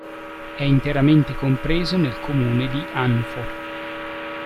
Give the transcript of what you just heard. È interamente compreso nel comune di Anfo.